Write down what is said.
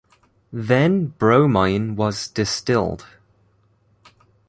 Then bromine was distilled.